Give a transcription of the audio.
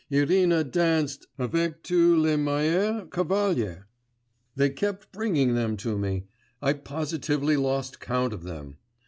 Irina danced avec tous les meilleurs cavaliers; they kept bringing them up to me.... I positively lost count of them.